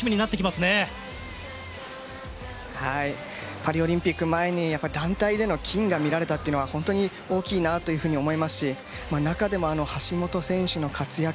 パリオリンピック前に団体での金が見られたのは大きいなと思いますし中でも橋本選手の活躍